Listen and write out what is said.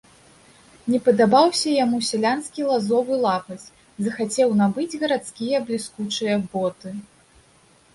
Не падабаўся яму сялянскі лазовы лапаць, захацеў набыць гарадскія бліскучыя боты.